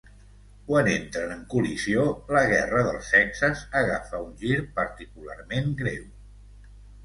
Quan entren en col·lisió, la guerra dels sexes agafa un gir particularment greu.